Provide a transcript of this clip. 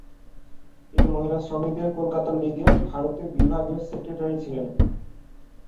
তিনি মহিলা শ্রমিকদের কলকাতা লিগের ভারতীয় বিভাগের সেক্রেটারি ছিলেন।